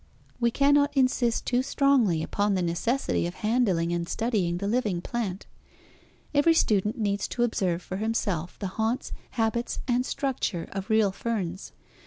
We cannot insist too strongly upon the necessity of handling and studying the living plant. Every student needs to observe for himself the haunts, habits, and structure of real ferns.